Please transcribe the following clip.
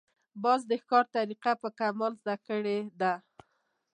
باز د ښکار طریقه په کمال زده کړې ده